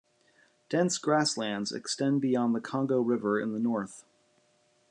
Dense grasslands extend beyond the Congo River in the north.